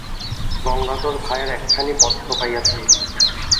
গঙ্গাধর ভায়ার একখানি পত্র পাইয়াছি।